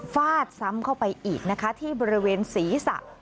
ฟาดซ้ำเข้าไปอีกนะคะที่บริเวณศีรษะ